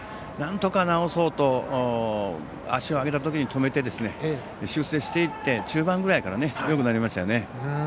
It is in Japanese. なんとか直そうと足を上げたときに止めて修正していって中盤ぐらいからよくなりましたね。